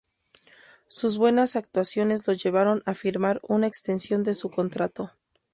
Sus buenas actuaciones lo llevaron a firmar una extensión de su contrato.